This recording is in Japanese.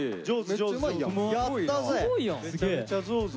めちゃめちゃ上手。